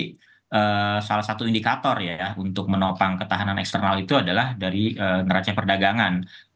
jadi salah satu indikator ya untuk menopang ketahanan eksternal itu adalah dari neraca perdagangan